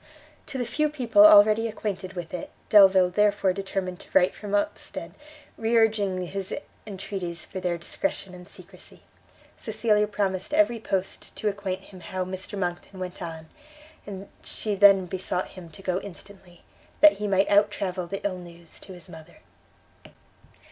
To the few people already acquainted with it, Delvile therefore determined to write from Ostend, re urging his entreaties for their discretion and secrecy. Cecilia promised every post to acquaint him how Mr Monckton went on, and she then besought him to go instantly, that he might out travel the ill news to his mother.